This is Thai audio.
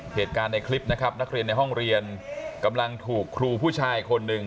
เหตุการณ์ในคลิปนะครับนักเรียนในห้องเรียนกำลังถูกครูผู้ชายคนหนึ่ง